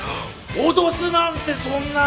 脅すなんてそんな！